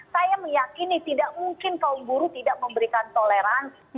saya meyakini tidak mungkin kaum buruh tidak memberikan toleransi